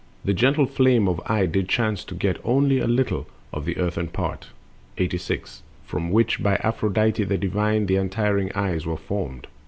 The gentle flame of eye did chance to get Only a little of the earthen part. 86. From which by Aphrodite, the divine, The untiring eyes were formed.